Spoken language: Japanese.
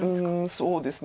そうですね